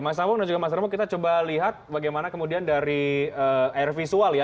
mas sambong dan juga mas revo kita coba lihat bagaimana kemudian dari air visual ya